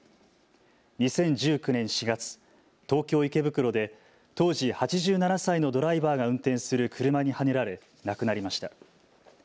２０１９年４月、東京池袋で当時８７歳のドライバーが運転する車にはねられ亡くなりました。